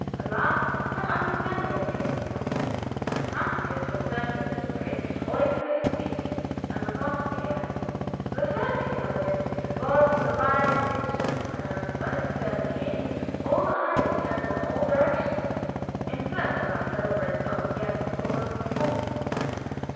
At last some understanding appeared to be come to. Von Francius returned to his estrade, Eugen to his seat, and the concert began. The third piece on the list was the Violin Concerto, and when its turn came all eyes turned in all directions in search of , the celebrated, who was to perform it.